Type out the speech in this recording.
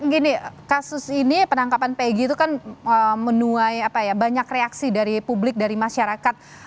gini kasus ini penangkapan pg itu kan menuai banyak reaksi dari publik dari masyarakat